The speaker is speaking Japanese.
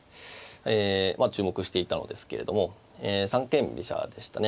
注目していたのですけれども三間飛車でしたね。